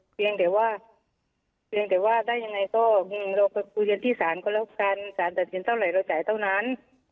เพียงแต่ว่าได้ยังไงต้องเราคุยกันที่ศาลก็แล้วกันศาลตัดสินเท่าไหร่เราจ่ายเท่านั้น